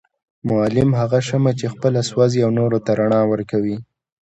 معلم هغه شمعه چي خپله سوزي او نورو ته رڼا ورکوي